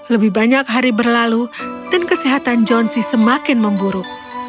lebih banyak hari berlalu dan kesehatan johnsy semakin memburuk